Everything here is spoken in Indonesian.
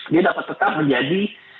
dia dapat tetap menjadi